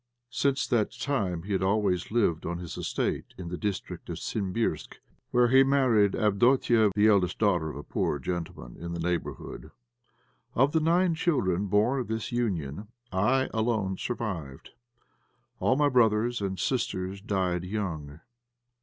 Since that time he had always lived on his estate in the district of Simbirsk, where he married Avdotia, the eldest daughter of a poor gentleman in the neighbourhood. Of the nine children born of this union I alone survived; all my brothers and sisters died young.